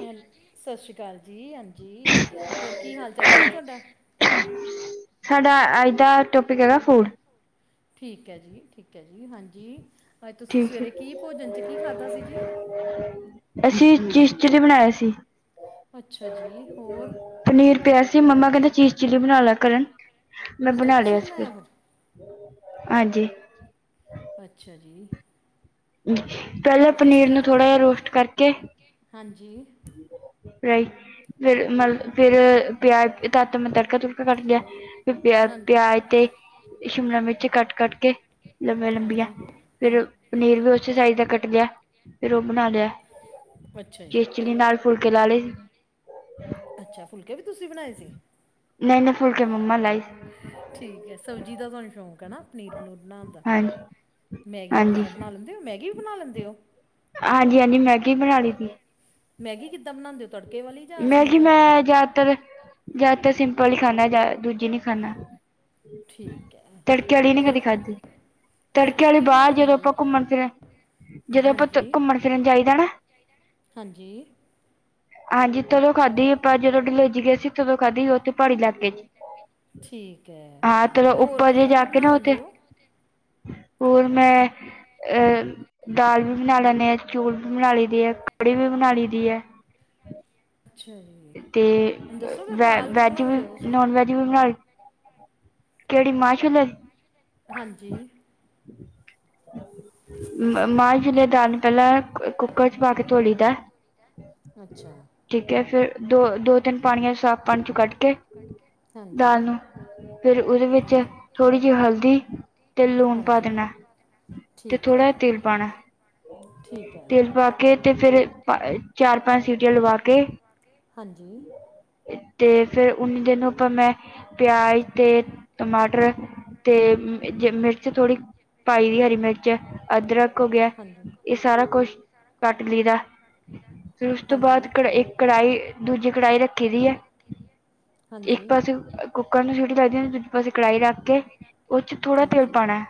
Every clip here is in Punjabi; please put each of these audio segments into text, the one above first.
ਹੈਲੋ, ਸਤਿ ਸ਼੍ਰੀ ਅਕਾਲ ਜੀ ਹਾਂਜੀ ਹੋਰ ਕੀ ਹਾਲ ਚਾਲ ਹੈ ਜੀ ਤੁਹਾਡਾ? ਸਾਡਾ ਅੱਜ ਦਾ ਟੋਪਿਕ ਹੈਗਾ ਫੂਡ। ਠੀਕ ਹੈ ਜੀ ਠੀਕ ਹੈ ਜੀ ਹਾਂਜੀ। ਅੱਜ ਤੁਸੀਂ ਸਵੇਰੇ ਕੀ ਭੋਜਨ 'ਚ ਕੀ ਖਾਧਾ ਸੀ ਜੀ? ਅਸੀਂ ਚੀਸ਼ ਚਿਲੀ ਬਣਾਇਆ ਸੀ। ਅੱਛਾ ਜੀ ਹੋਰ? ਪਨੀਰ ਪਿਆ ਸੀ ਮੰਮਾ ਕਹਿੰਦਾ ਚੀਜ਼ ਚਿੱਲੀ ਬਣਾ ਲਾ ਕਰਨ ਮੈਂ ਬਣਾ ਲਿਆ ਸੀ ਫਿਰ। ਹਾਂਜੀ। ਅੱਛਾ ਜੀ। ਪਹਿਲੇ ਪਨੀਰ ਨੂੰ ਥੋੜਾ ਜਿਹਾ ਰੋਸਟ ਕਰਕੇ ਹਾਂਜੀ। [unintelligible] ਫੇਰ ਮਤਲਬ ਫੇਰ ਪਿਆਜ [unintelligible] ਮੈਂ ਤੜਕਾ ਤੂੜਕਾ ਕੱਟ ਲਿਆ। ਪਿਆ ਪਿਆਜ ਤੇ ਸ਼ਿਮਲਾ ਮਿਰਚ ਕੱਟ ਕੱਟ ਕੇ। ਲੰਬੀਆਂ ਲੰਬੀਆਂ ਫੇਰ ਪਨੀਰ ਵੀ ਉਸੇ ਸਾਈਜ਼ ਦਾ ਕੱਟ ਲਿਆ ਫੇਰ ਉਹ ਬਣਾ ਲਿਆ। ਅੱਛਾ ਜੀ। ਚੀਜ਼ ਚਿਲੀ ਨਾਲ ਫੁਲਕੇ ਲਾ ਲਏ। ਅੱਛਾ ਫੁਲਕੇ ਵੀ ਤੁਸੀਂ ਬਣਾਏ ਸੀ? ਨਹੀਂ ਨਹੀਂ ਫੁਲਕੇ ਮੰਮਾ ਲਾਏ। ਠੀਕ ਹੈ ਸਬਜ਼ੀ ਦਾ ਤੁਹਾਨੂੰ ਸ਼ੌਕ ਹੈ ਨਾ ਪਨੀਰ ਪਨੂੰਰ ਬਣਾਉਣ ਦਾ ਮੈਗੀ ਵਗੈਰਾ ਬਣਾ ਲੈ ਮੈਗੀ ਵੀ ਬਣਾ ਲੈਂਦੇ ਹੋ? ਹਾਂਜੀ ਹਾਂਜੀ ਮੈਗੀ ਬਣਾ ਲਈ ਸੀ ਮੈਗੀ ਕਿੱਦਾਂ ਬਣਾਉਂਦੇ ਮੈਗੀ ਮੈਂ ਜ਼ਿਆਦਾ ਤਰ ਜਿਆਦਾਤਰ ਸਿੰਪਲ ਹੀ ਖਾਂਦਾ ਜਾਂ ਦੂਜੀ ਨਹੀਂ ਖਾਂਦਾ ਤੜਕੇ ਆਲੀ ਨਹੀਂ ਕਦੀ ਖਾਧੀ ਤੜਕੇ ਵਾਲੀ ਬਾਹਰ ਜਦੋਂ ਆਪਾਂ ਘੁੰਮਣ ਫਿਰਨ ਜਦੋਂ ਆਪਾਂ ਘੁੰਮਣ ਫਿਰਨ ਜਾਈਦਾ ਨਾ ਹਾਂਜੀ ਹਾਂਜੀ ਤਦੋਂ ਖਾਧੀ ਆਪਾਂ ਜਦੋਂ ਡਲੇ ਚ ਗਏ ਸੀ ਤਦੋਂ ਖਾਧੀ ਉੱਥੇ ਪਹਾੜੀ ਇਲਾਕੇ ਚ ਹਾਂ ਤਦੋ ਉੱਪਰ ਹੀ ਜਾ ਕੇ ਨਾ ਉਥ ਹੋਰ ਮੈਂ ਅ ਦਾਲ ਵੀ ਬਣਾ ਲੈਂਦੇ ਆ ਚੋਲ ਵੀ ਬਣਾ ਲਈ ਦੇ ਹੈ ਕੜੀ ਵੀ ਬਣਾ ਲਈ ਦੀ ਹੈ ਤੇ ਵੈ ਵੈਜ ਵੀ ਨੋਨ ਵੈਜ ਵੀ ਬਣਾ ਲੀ ਕਿਹੜੀ ਮਾ ਛੋਲਿਆਂ ਦੀ ਹਾਂਜੀ ਮ ਮਾ ਜਿਦ੍ਹੇ ਦਾਲ ਪਹਿਲਾਂ ਕੁੱਕਰ ਚ ਪਾ ਕੇ ਧੋਲੀ ਦਾ ਠੀਕ ਹੈ ਫੇਿਰ ਦੋ ਦੋ ਤਿੰਨ ਪਾਣੀਆਂ ਸਾਫ਼ ਪਾਣੀ ਚ ਕੱਢ ਕੇ ਦਾਲ ਨੂੰ ਫੇਿਰ ਉਹਦੇ ਵਿੱਚ ਥੋੜ੍ਹੀ ਜਿਹੀ ਹਲਦੀ ਤੇ ਲੂਣ ਪਾ ਦੇਣਾ ਤੇ ਥੋੜ੍ਹਾ ਜਿਆ ਤੇਲ ਪਾਉਣਾ ਠੀਕ ਹੈ। ਕੇ ਤੇ ਫਿਰ ਚਾਰ ਪੰਜ ਸੀਟੀਆਂ ਲਵਾ ਕੇ ਹਾਂਜੀ। ਤੇ ਫੇਰ ਉੱਨੀ ਦਿਨ ਆਪਾਂ ਮੈਂ ਪਿਆਜ ਤੇ ਟਮਾਟਰ ਤੇ ਜੇ ਮਿਰਚ ਥੋੜੀ ਪਾਈ ਦੀ ਹਰੀ ਮਿਰਚ ਅਦਰਕ ਹੋ ਗਿਆ ਇਹ ਸਾਰਾ ਕੁਛ ਕੱਟ ਲੀਦੈ ਫਿਰ ਉਸ ਤੋਂ ਬਾਅਦ ਕੜ ਇਕ ਕੜਾਹੀ ਦੂਜੀ ਕੜਾਹੀ ਰੱਖੀ ਦੀ ਹੈ ਇੱਕ ਪਾਸੇ ਕੁੱਕਰ ਨੂੰ ਸਿਟੀ ਲੱਗਦੀ ਦੂਜੇ ਪਾਸੇ ਕੜਾਹੀ ਰੱਖ ਕੇ ਉਹ ਚ ਥੋੜਾ ਤੇਲ ਪਾਣੈ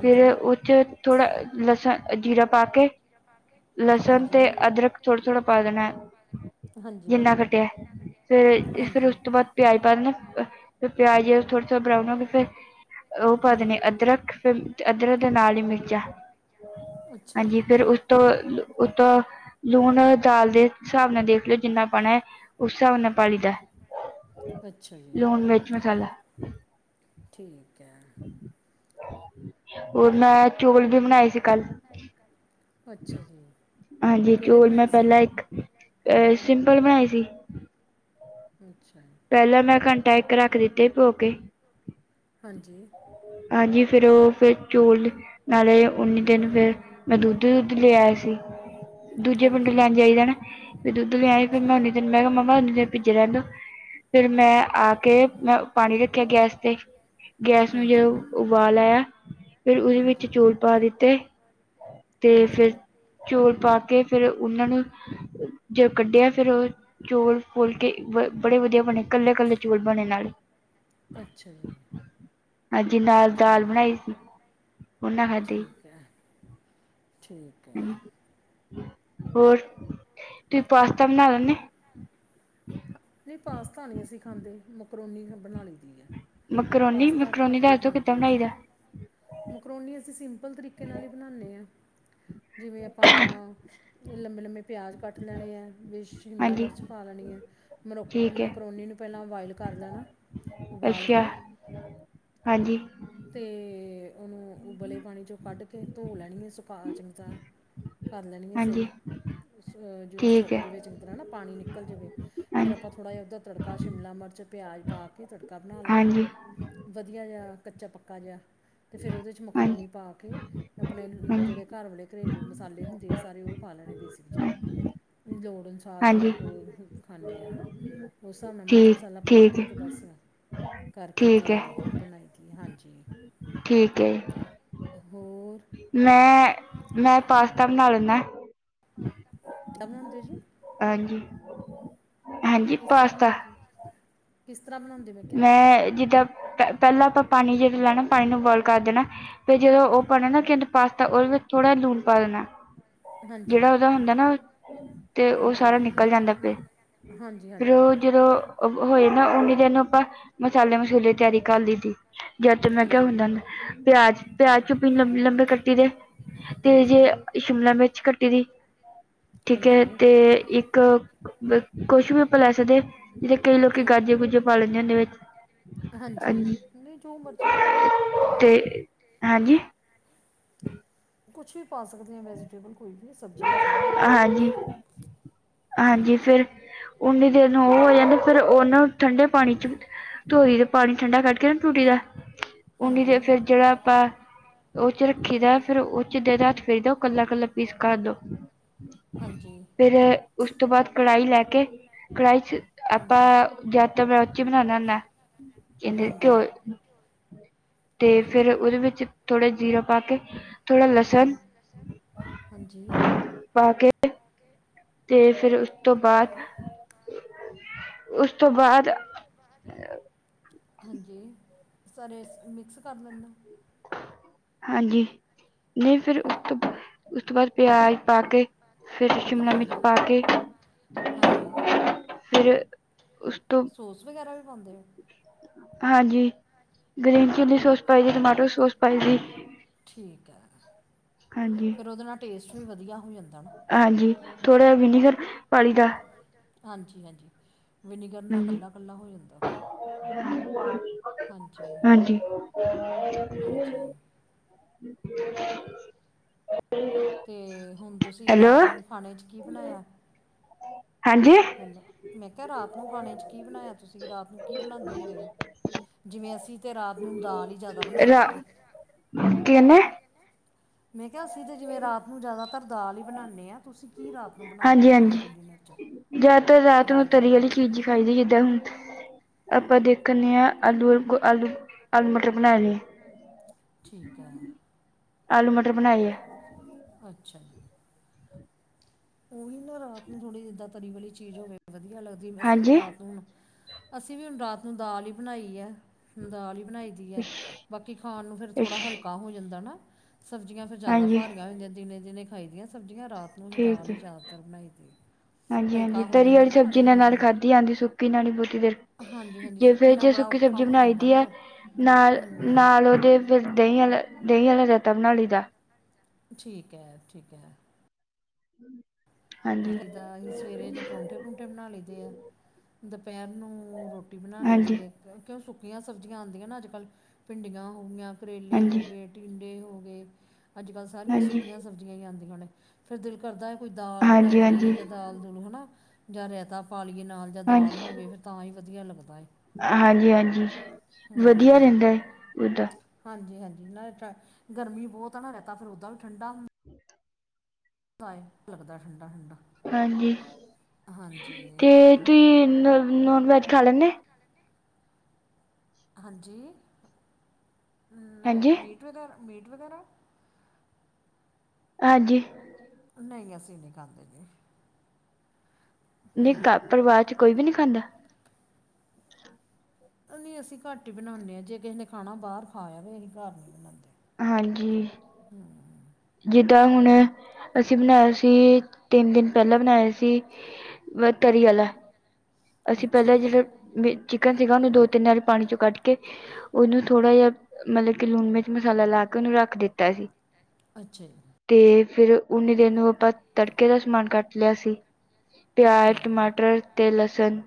ਫਿਰ ਉਹ ਚ ਥੋੜ੍ਹਾ ਲੱਸਣ ਜੀਰਾ ਪਾ ਕੇ ਲੱਸਣ ਤੇ ਅਦਰਕ ਥੋੜਾ, ਥੋੜ੍ਹਾ ਪਾ ਦੇਣੈ। ਜਿੰਨਾ ਕਟਿੲ ਫਿਰ, ਫਿਰ ਉਸ ਤੋਂ ਬਾਅਦ ਪਿਆਜ਼ ਪਾ ਦੇਣੈ ਫ ਪਿਆਜ਼ ਥੋੜਾ, ਥੋੜਾ ਬਰਾਊਨ ਹੋਗੇ ਫਿਰ ਉਹ ਪਾ ਦੇਣੇ ਅਦਰਕ ਫ ਅਦਰਕ ਦੇ ਨਾਲ ਹੀ ਮਿਰਚਾ ਹਾਂਜੀ ਫੇਰ ਉਸਤੋ ਉਸਤੋ ਲੂਣ ਦਾਲ ਦੇ ਹਿਸਾਬ ਨਾਲ ਦੇਖ ਜੋ ਜਿੰਨਾ ਪਾਣਾ ਉਸ ਹਿਸਾਬ ਨਾਲ ਪਾਲੀ ਦੈ ਲੂਣ ਮਿਰਚ ਮਸਾਲਾ ਹਮ [inaudible] ਠੀਕ ਹੈ। ਉਹ ਨਾਲ ਚੋਲ ਵੀ ਬਣਾਏ ਸੀ ਕੱਲ ਹਾਂਜੀ ਚੋਲ ਮੈਂ ਪਹਿਲਾਂ ਇੱਕ ਅ ਸਿੰਪਲ ਬਣਾਏ ਸੀ। ਅੱਛਾ ਜੀ। ਪਹਿਲਾਂ ਮੈਂ ਘੰਟਾ ਇੱਕ ਰੱਖ ਦਿੱਤੇ ਭਿੳ ਕੇ ਹਾਂਜੀ। ਹਾਂਜੀ ਫੇਰ ਉਹ ਫਿਰ ਚੋਲ ਨਾਲੇ ਉੱਨੀ ਦਿਨ ਫਿਰ ਮੈਂ ਦੁੱਧ, ਦੁੱਧ ਲੈ ਆਏ ਸੀ। ਦੂਜੇ ਪਿੰਡ ਲੈਣ ਜਾਈਦਾ ਨਾ ਦੁੱਧ ਲਿਆਈ ਫਿਰ ਮੈਂ ਓਨੀ ਦੇਰ ਮੈਂ ਕਿਹਾ ਮੰਮਾ ਓਨੀ ਦੇਰ ਭਿੱਜੇ ਰਹਿਣ ਦੋ। ਫਿਰ ਮੈਂ ਆ ਕੇ ਮੈਂ ਪਾਣੀ ਰੱਖਿਆ ਗੈਸ ਤੇ ਗੈਸ ਵਿ ਜਦੋਂ ਉਬਾਲ ਆਇਆ। ਫਿਰ ਉਹਦੇ ਵਿੱਚ ਚੌਲ ਪਾ ਦਿੱਤੇ ਤੇ ਫਿਰ ਚੋਲ ਪਾ ਕੇ ਫਿਰ ਉਹਨਾਂ ਨੂੰ ਜ ਕੱਢਿਆ ਫਿਰ ਉਹ ਚੌਲ ਫੁਲ ਕੇ ਬੜੇ ਵਧੀਆ ਬਣੇ ਕੱਲੇ, ਕੱਲੇ ਚੌਲ ਬਣੇ ਨਾਲ। ਅੱਛਾ ਜੀ। ਹਾਂਜੀ ਨਾਲ ਦਾਲ ਬਣਾਈ ਸੀ ੳਦੇ ਨਾਲ ਖਾਧੀ। ਕਿਆ ਠੀਕ ਹੈ। ਹੋਰ ਤੁੂੰਂਹੀ ਪਾਸਤਾ ਬਨਾ ਲੈਂਦੇ। ਹ [inaudible] ਨਹੀਂ ਪਾਸਤਾ ਨਹੀਂ ਅਸੀਂ ਖਾਂਦੇ ਮਕਰੋਨੀ ਬਣਾ ਲਈ ਦੀ ਹੈ। ਮਕਰੋਨੀ, ਮਕਰੋਨੀ ਦਸ ਦੋ ਕਿੱਦਾਂ ਬਣਾਈ ਦਾ ਮਕਰੋਨੀ ਅਸੀਂ ਸਿੰਪਲ ਤਰੀਕੇ ਨਾਲ ਹੀ ਬਣਾਨੇ ਆ ਜਿਵੇਂ ਆਪਾਂ ਲੰਬੇ ਲੰਮੇ ਪਿਆਜ਼ ਕੱਟ ਲੈਣੇ ਹੈ। ਵਿਚ ਸ਼ਿਮਲਾ ਮਿਰਚ ਪਾ ਲੈਣੀ ਐ ਮਰੋ ਮਕਰੋਨੀ ਨੂੰ ਪਹਿਲਾਂ ਬੋਆਇਲ ਕਰ ਲੈਣੈ। ਉਬਾਲ ਕੇ ਤੇ ਉਹਨੂੰ ਉਬਲੇ ਪਾਣੀ 'ਚੋਂ ਕੱਢ ਕੇ ਧੋ ਲੈਣੀ ਹੈ ਸੁਕਾ ਚੰਗੀ ਤਰਾਂ ਕਰ ਲੈਣੀਆਂ ਸਹੀ ਸ ਜਿਵੇਂ ਸੁੱਕ ਜਾਵੇ ਚੰਗੀ ਤਰਾ ਨਾ। ਪਾਣੀ ਨਿਕਲ ਜਾਵੇ ਫਿਰ ਆਪਾਂ ਥੋੜ੍ਹਾ ਜਿਹਾ ਉਹਦਾ ਤੜਕਾ ਸ਼ਿਮਲਾ ਮਿਰਚ ਪਿਆਜ ਪਾ ਕੇ ਤੜ ਪੱਕਾ ਬਣਾ ਲੈਣਾ ਵਧੀਆ ਜਿਹਾ ਕੱਚਾ ਪੱਕਾ ਜਿਹਾ। ਤੇ ਫਿਰ ਉਹਦੇ 'ਚ ਮਕਰੋਨੀ ਪਾ ਕੇ ਆਪਣੇ ਜਿਹੜੇ ਘਰ ਵਾਲੇ ਘਰੇਲੂ ਮਸਾਲੇ ਹੁੰਦੇੇ ਆ ਸਾਰੇ ਉ ਪਾ ਲੈਣੇ ਬੇਸਿਕ ਜੇ ਲੋੜ ਅਨੁਸਾਰ ਜਿੰਨਾ ਕੋਲ ਖਾਂਨੇ ਆਂ ਹੈਨਾ ਉਸ ਹਿਸਾਬ ਨਾਲ ਮਰਚ ਮਸਾਲਾ ਪਾ ਕੇ ਤੇ ਬਸ ਕਰਕੇ ਤੇ ਬਨਾਈ ਦੀ, ਹਾਂਜੀ। ਠੀਕ ਐ ਹੋਰ ਮੈਂ ਮੈਂ ਪਾਸਤਾ ਬਣਾ ਲੈਂਨਾ ਕਿਆ ਬਣਾਂਦੇ ਹੋ ਜੀ ਹਾਂਜੀ ਕਿਸ ਤਰ੍ਹਾਂ ਬਣਾਂਦੇ, ਕਿਸ ਤਰ੍ਹਾਂ ਬਣਾਂਦੇ? ਮੈਂ ਜਿੱਦਾਂ ਪੇ ਪੇਲਾਂ ਆਪਾਂ ਪਾਣੀ ਜੇੜਾ ਲੈਣਾ ਪਾਣੀ ਨੂੰ ਬੋਇਲ ਕਰ ਦੇਣਾ ਫ ਜਦੋਂ ਉ ਪਾਣਾ ਨਾ ਕੇਂਦੇ ਪਾਸਤਾ ਓਦੇ ਵਿੱਚ ਥੋੜ੍ਹਾ ਲੂਣ ਪਾ ਦੇਣਾ ਜੇੜਾ ਉਦਾ ਹੁੰਦਾ ਨਾ ਤੇ ਉਹ ਸਾਰਾ ਨਿਕਲ ਜਾਂਦਾ ਪੇ ਹਾਂਜੀ ਹਾਂਜੀ ਹਾਂਜੀ। ਅਵ ਅਵ ਹੋਏ ਨਾ ਉਨੀ ਦੇਰ ਨੂੰ ਆਪਾਂ ਮਸਾਲੇ ਮਸੂਲੇ ਤਿਆਰੀ ਕਰ ਲੀਤਿ ਜਦ ਤੇ ਮੈਂ ਕਿਆ ਹੁੰਦਾ ਪਿਆਜ, ਪਿਆਜ ਚੁੱਪੀ ਲੰਬੇ ਲੰਬੇ ਕੱਟੀ ਦੇ ਹਾਂਜੀ, ਸ਼ਿਮਲਾ ਮਿਰਚ ਕੱਟੀ ਦੀ ਠੀਕ ਹੈ ਤੇ ਇੱਕ ਕ ਕੁਛ ਵੀ ਆਪਾਂ ਲੈ ਸਕਦੇ ਜ ਕਈ ਲੋਕੀ ਗਾਜੇ ਗੁੱਜੇ ਗਾਲ ਜਾਂਦੇ ਵਿੱਚ ਹਾਂ ਤੇ, ਹਾਂਜੀ [unintelligible] ਕੁਛ ਵੀ ਪਾ ਸਕਦੇ ਹ ਵੈਜ਼ੀਟੇਬਲ ਕੋਈ ਵੀ ਸਬਜ਼ੀਆਂ ਸਾਰੀਆਂ ਪਾਏ ਜਾਨਦੀਆ ਹਾਂਜੀ, ਫੇਰ ਉਨੀ ਦੇਰ ਨੂੰ ਔ ਹੋ ਜਾਂਦੇ ਫੇਰ ਉਹਨੂੰ ਠੰਡੇ ਪਾਣੀ ਚ ਧੋਇ ਤੇ ਪਾਣੀ ਠੰਡਾ ਕੱਢਕੇ ਨਾ ਟੂਟੀ ਦਾ ਉਨੀ ਦੇਰ ਫੇਰ ਜੇੜਾ ਆਪਾਂ ਉਹ 'ਚ ਰੱਖੀ ਦਾ ਫੇਰ ਉਹ 'ਚ ਦੇ ਦਾ ਹੱਥ ਫੇਰੀ ਦਾ ਉ ਕੱਲਾ ਕੱਲਾ ਪੀਸ ਕਰ ਦੋ। ਫਿਰ ਉਸ ਤੋਂ ਬਾਅਦ ਕੜਾਈ ਲੈ ਕੇ ਕੜਾਈ ਚ ਆਪਾਂ ਜਦ ਤ ਮੈਂ ਉੱਚੀ ਬਨਾਨਾ ਹੁੰਨਾ ਕੇਂਦੇ ਘਿਓ ਤੇ ਫੇਰ ਉਦੇ ਵਿੱਚ ਥੋੜ੍ਹਾ ਜੀਰਾ ਪਾ ਕੇ ਥੋੜਾ ਲਸਣ ਪਾ ਕੇ ਤੇ ਫਿਰ ਉਸ ਤੋਂ ਬਾਅਦ, ਉਸ ਤੋਂ ਬਾਅਦ [unintelligible] ਹਾਂਜੀ, ਸਾਰੇਸ ਮਿਕਸ ਕਾੱਰ ਲੈਂਨਾ। ਹਾਂਜੀ, ਨਈ ਫਿਰ ਉਸ ਤੋ ਉਸ ਤੋ ਬਾਦ ਪੇਆਜ ਪਾਕੇ ਫਿਰ ਸ਼ਿਮਲਾ ਮਿਰਚ ਪਾਕੇ, ਫਿਰ ਉਸ ਤੋ ਹੋਸ ਵਗੈਰਾ ਵੀ ਪਾਂਦੇ ਓ। ਹਾਂਜੀ, ਗ੍ਰੀਨ ਚਿੱਲੀ ਸੋਸ ਪਾਈ ਦੀ, ਟਮਾਟੋ ਸੋਸ ਪਾਈ ਦੀ। ਠੀਕ ਐ, ਫੇਰ ਓਦੇ ਨਾਲ ਟੇਸਟ ਵੀ ਵਦੀਆ ਹੋ ਜਾਂਦਾ ਨਾ। ਹਾਂਜੀ, ਥੋੜਾ‌ ਵਿਨੀਗਰ ਪਾਲੀ ਦਾ ਹਾਂਜੀ, ‌ ਹਾਂਜੀ‌ ਵਿਨੀਗਰ ਨਾਲ ਕੱਲਾ-ਕੱਲਾ ਹੋ ਜਾਂਦਾ ਫੇਰ [unintelligible] ਹਾਂਜੀ [unintelligible] ਤੇ ਹੁਨ ਤੁਸੀਂ ਰਾਤ ਨੂੰ ਖਾਨੇ ਚ ਕੀ ਬਨਾਏਆ। ਹਾਂਜੀ, ਮੈਂ ਕੇਆ ਰਾਤ ਨੂੰ ਖਾਣੇ ਚ ਕੀ ਬਨਾਏਆ ਤੁਸੀਂ, ਰਾਤ ਨੂੰ ਕੀ ਬਨਾਂਦੇ ਹੁੰਦੇ ਓ। ਜਿਵੇਂ ਅਸੀਂ ਤੇ ਰਾਤ ਨੂੰ ਦਾਲ ਈ ਜੈਦਾ ਬਨਾਈ ਦੀ ਐ। [unintelligible] ਮੈਂ ਕੇਆ ਅਸੀ ਤੇ ਜਿਵੇਂ ਰਾਤ ਨੂੰ ਜੈਦਾਤਰ ਦਾਲ ਈ ਬਨਾਨੇ ਆ, ਤੁਸੀਂ ਕੀ ਰਾਤ ਨੂੰ ਬਣਾਂਦੇ ਓ ਖਾਨ ਚ ਡੀਨਰ ਚ ਜੈਦਾਤਰ ਰਾਤ ਨੂੰ ਤਰੀ ਆਲੀ ਚੀਜ਼ ਈ ਖਾਈਦੀ ਜਿਦਾਂ ਹੁਨ ਆਪਾਂ ਦੇਖਨੇ ਆਂ ਆਲੂ‌, ਆਲੂ, ਆਲੂ ਮਟਰ ਬਨਾਏ ਨੇ। ਠੀਕ ਐ, ਅੱਛਾ ਜੀ। ਓਈ ਨਾ ਰਾਤ ਨੂੰ ਥੋੜੀ ਜਿਦਾਂ ਤਰੀ ਵਾਲੀ ਚੀਜ਼ ਹੋਵੇ ਵਦੀਆ ਲੱਗਦੀ, ਅਸੀਂ ਵੀ ਰਾਤ ਨੂੰ ਅਸੀਂ ਵੀ ਹੁਨ ਰਾਤ ਨੂੰ ਦਾਲ ਹੀ ਬਨਾਈ ਐ। ਦਾਲ ਈ ਬਣਾਈ ਦੀ ਐ, ਬਾਕੀ ਖਾਣ ਨੂੰ ਫੇਰ ਥੋੜਾ ਹਲਕਾ ਹੋ ਜਾਂਦਾ ਨਾ। ਸਬਜ਼ੀਆਂ ਫੇਰ ਜੈਦਾ ਪਾਰੀਆਂ ਹੋ ਦੀਆਂ ਦਿਨੇ, ਦਿਨੇ ਖਾਈ ਦੀਆਂ ਸਬਜ਼ੀਆਂ ਰਾਤ ਨੂੰ ਹੀ ਦਾਲ ਈ ਜੈਦਾਤਰ ਬਣਾਈ ਦੀ ਐ। ਹਾਂਜੀ, ਹਾਂਜੀ ਤਰੀ ਆਲੀ ਸਬਜ਼ੀ ਨਾਲ ਖਾਧੀ ਜਾਂਦੀ, ਸੁੱਕੀ ਨਾਲ ਨੀ ਬੋਤੀ ਦੇਰ ਜੇ ਫੇਰ ਜੇ ਸੁੱਕੀ ਸਬਜ਼ੀ ਬਨਾਈ ਦੀ ਐ। ਨਾਲ, ਨਾਲ ਓਦੇ ਫੇਰ ਦਈਂ ਆਂਦਾ, ਦਈਂ ਆਲਾ ਰੇਤਾ ਬਨਾ ਲੀ ਦਾ। ਠੀਕ ਐ, ਠੀਕ ਐ। [unintelligible] ਅਹੀ ਸਵੇਰੇ ਜੇ ਪਰੋਂਠੇ ਪਰੁੰਠੇ ਬਨਾ ਲਈਦੇ ਐ, ਦੁਪੈਰ ਨੂੰ ਰੋ ਰੋਟੀ ਬਨਾ ਲਈ ਦੀ ਐ, ਕਯੋਂ ਸੁੱਕੀਆਂ ਸਬਜ਼ੀਆਂ ਓਦੀਆਂ ਨਾ ਆੱਜ-ਕਾੱਲ ਪਿੰਡੀਆਂ ਹੋ ਗਈਆਂ ਕਰੇਲੇ ਹੋਗੇ, ਟੀਂਡੇ ਹੋਗੇ। ਆੱਜ-ਕਾੱਲ ਸਾਰੀਆਂ ਸੁੱਕੀਆਂ ਸਬਜ਼ [unintelligible] ਆਂਦੀਆਂ ਨੇ ਫੇਰ ਦਿਲ ਕਰਦਾ ਏ, ਕੋਈ ਦਾਲ ਬਨਾਈਏ ਜਾਂ ਦਾਲ ਦੁਲ ਹਨਾ। ਜਾਂ ਰੈਤਾ ਪਾਲੀਏ ਨਾਲ ਜਾਂ ਦਾਲ ਹੋਵੇ ਫੇਰ ਤਾਂ ਈ ਵਦੀਆ ਲੱਗਦਾ ਏ। ਹਾਂਜੀ, ਹਾਂਜੀ ਵਦੀਆ ਰੈਂਦਾ ਉਦਾ ਹਾਂਜੀ, ਹਾਂਜੀ ਨਾਲੇ ਟਰਾ ਗਰਮੀ ਬੋਤ ਆ ਨਾ, ਰੈਤਾ ਫੇਰ ਓਦਾਂ ਵੀ ਠੰਡਾ [inaudible] [unintelligible] ਲੱਗਦਾ ਠੰਡਾ, ਠੰਡਾ ਹਾਂਜੀ, ਤੇ ਤੁਈ ਨੋਨ ਵੈਜ ਖਾ ਲੈਂਦੇ ਹਾਂਜੀ, ਨਈ ਮੀਟ ਵਗੈਰਾ, ਮੀਟ ਵਗੈਰਾ। ਹਾਂਜੀ। ਨਈ ਅਸੀ ਨੀ ਖਾਂਦੇ ਜੀ। ਨੀ ਘਾੱਰ ਪਰਿਵਾਰ ਚ ਕੋਈ ਵੀ ਨੀ ਖਾਂਦਾ। ਨੀ ਅਸੀ‌ ਘਾੱਟ ਈ ਬਣਾਨੇ ਆਂ, ਜੇ ਕਿਸੇ ਨੇ ਖਾਣਾ ਬਾਰ ਖਾ ਅਵੇ ਅਹੀਂ ਘਾੱਰ ਨੀ ਬਣਾਂਦੇ। ਹਾਂਜੀ। ਹੂੰ। ਜਿਦਾਂ ਹੁਣ ਅਸੀ ਬਣਾਏਆ ਸੀ, ਤਿੰਨ ਦਿਨ ਪੈਲਾਂ ਬਣਾਏਆ ਸੀ। ਵ ਤਰੀ ਆਲਾ ਅਸੀਂ ਪਹਿਲਾਂ ਜਿਹੜਾ ਚਿਕਨ ਸੀਗਾ ਉਹਨੂੰ ਦੋ ਤਿੰਨ ਵ ਪਾਣੀ ਚੋਂ ਕੱਟ ਕੇ ਉਹਨੂੰ ਥੋੜਾ ਜਿਹਾ ਮਤਲਬ ਕਿ ਲੂਣ ਮਿਰਚ ਮਸਾਲਾ ਲਾ ਕੇ ਉਹਨੂੰ ਰੱਖ ਦਿੱਤਾ ਸੀ ਅੱਛਾ ਜੀ ਤੇ ਫੇਿਰ ਉਨੀ ਦਿਨ ਨੂੰ ਆਪਾਂ ਤੜਕੇ ਦਾ ਸਮਾਨ ਕੱਟ ਲਿਆ ਸੀ ਪਿਆਜ਼ ਟਮਾਟਰ ਤੇ ਲਸਣ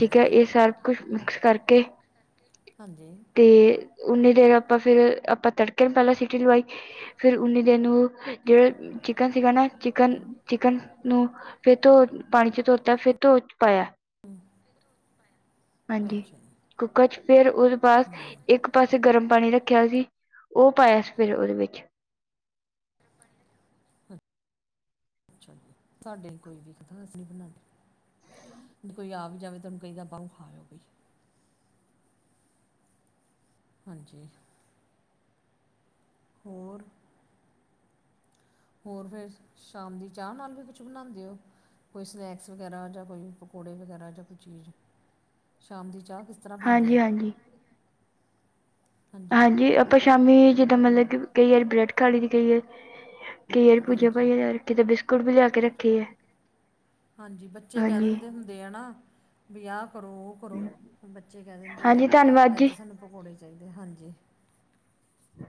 ਠੀਕ ਹੈ ਇਹ ਸਾਰ ਕੁਛ ਮਿਕਸ ਕਰਕੇ ਹਾਂਜੀ। ਤੇ ਉਨੀ ਦੇਰ ਆਪਾ ਫਿਰ ਆਪਾ ਤੜਕੇ ਨੂੰ ਪੈਲਾਂ ਸਿਟੀ ਲਵਾਈ ਤੇ ਫਿਰ ਉਨੀ ਦੇਰ ਨੂੰ ਜੇੜਾ ਚਿਕਨ ਸੀਗਾ ਨਾ ਚਿਕਨ ਚਿਕਨ ਨੂੰ ਫਿਰ ਤੋਂ ਪਾਣੀ ਚ ਧੋਤਾ ਫੇਿਰ ਤੋਂ ਪਾਇਆ ਹਾਂਜੀ ਕੁੱਕਰ ਚ ਫੇਿਰ ਉਸ ਪਾਸ ਇੱਕ ਪਾਸੇ ਗਰਮ ਪਾਣੀ ਰੱਖਿਆ ਸੀ ਉਹ ਪਾਇਆ ਸੀ ਫਿਰ ਉਹਦੇ ਵਿੱਚ [unintelligible] ਸਾਡੇ ਹੀ ਕੋਈ ਵਿਖਦਾਸ ਨ ਬਣਾਉਂਦੇ ਕੋਈ ਆ ਵੀ ਜਾਵੇ ਤੁਹਾਨੂੰ ਕਈਦਾ ਬਾਹਰੋਂ ਖਾ ਲਓ ਵੀ ਹਾਂਜੀ ਹੋਰ ਹੋਰ ਫਿਰ ਸ਼ਾਮ ਦੀ ਚਾਹ ਨਾਲ ਵੀ ਕੁਛ ਬਣਾਉਂਦੇ ਹੋ ਕੋਈ ਸਨੈਕਸ ਵਗੈਰਾ ਜਾਂ ਕੋਈ ਪਕੌੜੇ ਵਗੈਰਾ ਜਾਂ ਕੋਈ ਚੀਜ਼ ਸ਼ਾਮ ਦੀ ਚਾਹ ਹਾਂਜੀ ਹਾਂਜੀ ਹਾਂਜੀ ਆਪਾਂ ਸ਼ਾਮੀ ਜਿੱਦਾਂ ਮਤਲਬ ਕਈ ਵਾਰ ਬ੍ਰੈਡ ਖਾਲੀ ਦੀ ਕਈ ਵਾਰ ਕਈ ਯਾਰ ਭੂਜਾ ਭਾਈ ਲ ਰੱਖੀ ਤੇ ਬਿਸਕੁਟ ਵੀ ਲਿਆ ਕੇ ਰੱਖੀ ਹੈ ਹਾਂਜੀ ਬੱਚੇ ਕਹਿ ਦਿੰਦੇ ਹੁੰਦੇ ਆ ਨਾ। ਬੀ ਆਹ ਕਰੋ ਉਹ ਕਰੋ ਬੱਚੇ ਕਹਿ ਦਿੰਦੇ ਏ। ਅੱਜ ਦੇ ਸਾਨੂੰ, ਪਕੌੜੇ ਚਾਹੀਦੇ ਹਾਂਜੀ। ਹਾਂ